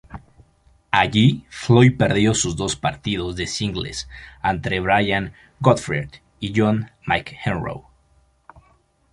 Allí Lloyd perdió sus dos partidos de singles ante Brian Gottfried y John McEnroe.